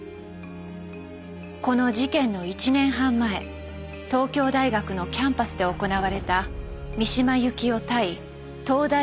この事件の１年半前東京大学のキャンパスで行われた三島由紀夫対東大